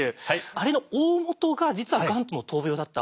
あれの大本が実はがんとの闘病だった。